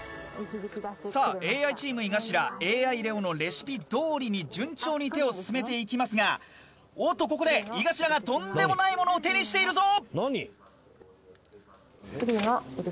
さあＡＩチーム井頭ＡＩレオのレシピどおりに順調に手を進めていきますがおっとここで井頭がとんでもないものを手にしているぞ！